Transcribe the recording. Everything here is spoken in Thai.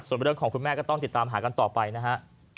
ส่วนเรื่องของคุณแม่ก็ต้องติดตามหากันต่อไปนะฮะ